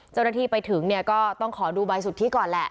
เจ้าหน้าที่ไปถึงเนี่ยก็ต้องขอดูใบสุทธิก่อนแหละ